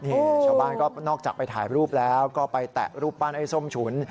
นี่ชาวบ้านก็นอกจากไปถ่ายรูปแล้วก็ไปแตะรูปปั้นไอ้ส้มฉุน